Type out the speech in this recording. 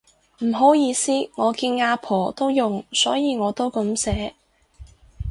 唔好意思，我見阿婆都用所以我都噉寫